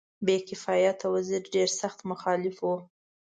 بې کفایته وزیر ډېر سخت مخالف وو.